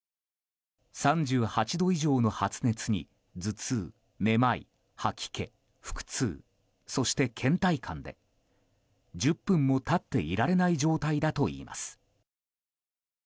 ３８度以上の発熱に頭痛、めまい、吐き気、腹痛そして倦怠感で１０分も立っていられない状態だといいます。